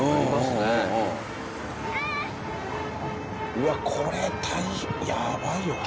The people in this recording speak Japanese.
うわっこれやばいよあれ。